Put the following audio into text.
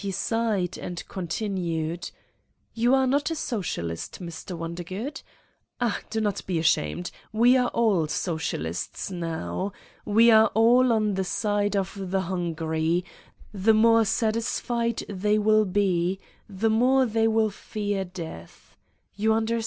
He signed and continued: ; 'You are not a Socialist, Mr. Wondergood? Ah, do not be ashamed. We are all Socialists now. We are all on the side of the hungry: the more satisfied they will be, the more they will fear death. You understand